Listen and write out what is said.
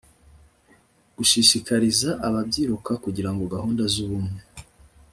gushishikariza ababyiruka kugira gahunda z ubumwe